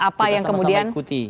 apa yang kemudian